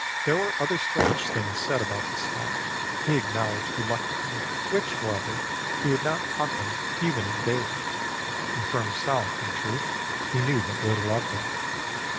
There were other strange things said about the spot, he acknowledged reluctantly, which, however, he would not talk of even in daylight; and for himself, in truth, he knew but little of them.